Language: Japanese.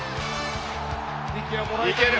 いける。